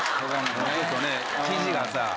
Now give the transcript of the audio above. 生地がさ